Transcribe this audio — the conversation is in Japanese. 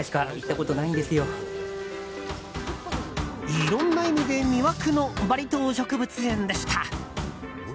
いろんな意味で魅惑のバリ島植物園でした。